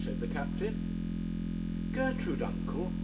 said the captain. 'Gertrude, uncle!